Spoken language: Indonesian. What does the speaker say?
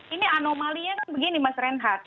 ini anomalian begini mas renhardt